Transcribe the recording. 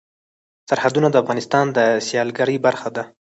سرحدونه د افغانستان د سیلګرۍ برخه ده.